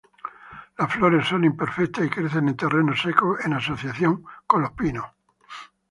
Las flores son imperfectas y crecen en terrenos secos en asociación con los pinos.